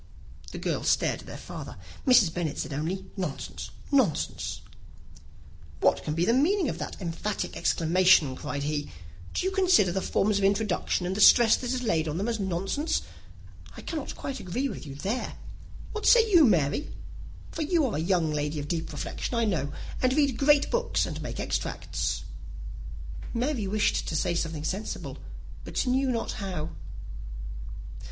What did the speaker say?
The girls stared at their father. Mrs. Bennet said only, "Nonsense, nonsense!" "What can be the meaning of that emphatic exclamation?" cried he. "Do you consider the forms of introduction, and the stress that is laid on them, as nonsense? I cannot quite agree with you there. What say you, Mary? For you are a young lady of deep reflection, I know, and read great books, and make extracts." Mary wished to say something very sensible, but knew not how.